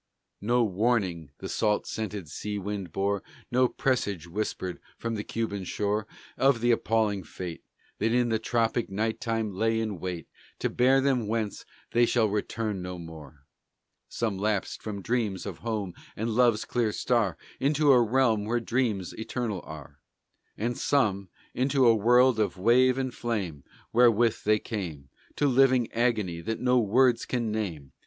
No warning the salt scented sea wind bore, No presage whispered from the Cuban shore Of the appalling fate That in the tropic night time lay in wait To bear them whence they shall return no more. Some lapsed from dreams of home and love's clear star Into a realm where dreams eternal are; And some into a world of wave and flame Wherethrough they came To living agony that no words can name.